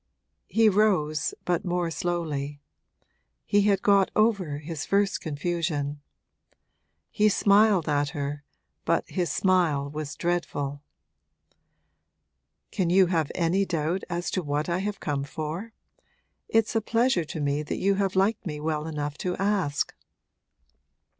He rose, but more slowly; he had got over his first confusion. He smiled at her, but his smile was dreadful. 'Can you have any doubt as to what I have come for? It's a pleasure to me that you have liked me well enough to ask.'